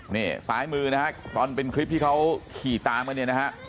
นี่ซ้ายมือนะฮะตอนเป็นคลิปที่เขาขี่ตามกันเนี่ยนะฮะ